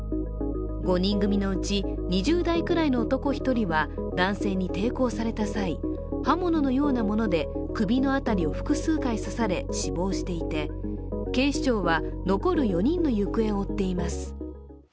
５人組のうち２０代くらいの男１人は男性に抵抗された際、刃物のようなもので首の辺りを複数回刺され死亡していて、警視庁は残る４人の行方を追っています。